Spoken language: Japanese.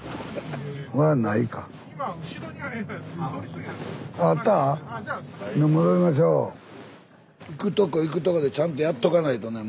スタジオ行くとこ行くとこでちゃんとやっとかないとね